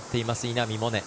稲見萌寧。